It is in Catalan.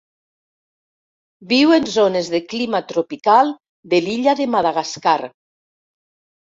Viu en zones de clima tropical de l'illa de Madagascar.